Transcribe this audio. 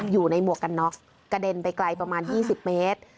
หมวกกันน็อกกระเด็นไปไกลประมาณ๒๐เมตร